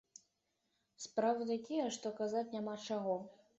Справы такія, што казаць няма чаго.